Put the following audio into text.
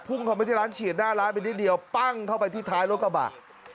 เข้าไปที่ร้านเฉียดหน้าร้านไปนิดเดียวปั้งเข้าไปที่ท้ายรถกระบะ